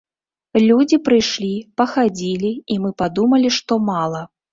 Людзі прыйшлі, пахадзілі, і мы падумалі, што мала.